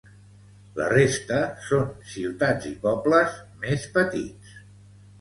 La resta són ciutats i pobles més petits.